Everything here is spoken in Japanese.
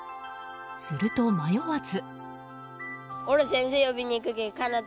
すると、迷わず。